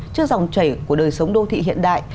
trước dòng chảy của đời sống đô thị hiện đại